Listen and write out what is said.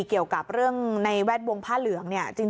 เกี่ยวกับเรื่องในแวดวงผ้าเหลืองเนี่ย